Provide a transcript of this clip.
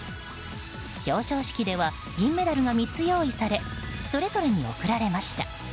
表彰式では銀メダルが３つ用意されそれぞれに贈られました。